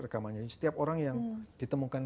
rekamannya jadi setiap orang yang ditemukan